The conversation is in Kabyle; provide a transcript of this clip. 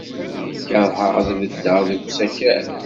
Keṛheɣ ad beddeɣ deg usakal.